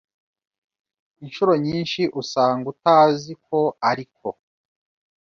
inshuro nyinshi usanga utazi ko ariko